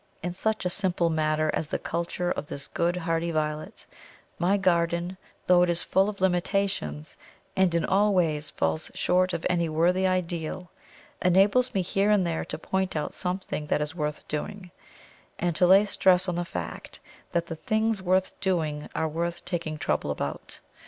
In such a simple matter as the culture of this good hardy Violet, my garden, though it is full of limitations, and in all ways falls short of any worthy ideal, enables me here and there to point out something that is worth doing, and to lay stress on the fact that the things worth doing are worth taking trouble about.